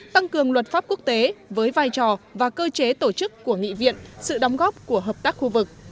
tăng cường luật pháp quốc tế với vai trò và cơ chế tổ chức của nghị viện sự đóng góp của hợp tác khu vực